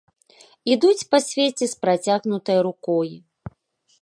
Ідуць па свеце з працягнутай рукой!